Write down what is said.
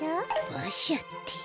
ばしゃって。